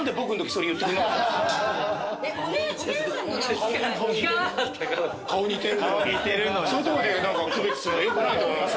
そういうとこで区別するのよくないと思いますよ。